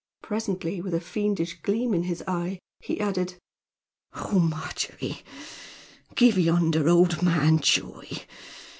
Presently, with a fiendish gleam in his eye, he added: "Oh, Margery, give yonder old man joy!